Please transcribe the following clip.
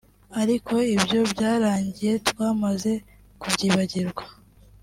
ariko ibyo byarangiye twamaze kubyibagirwa